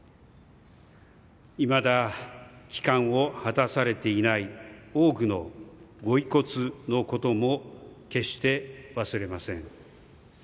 未だ帰還を果たされていない多くのご遺骨のことも決して忘れません。